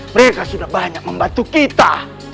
mereka sudah banyak membantu kita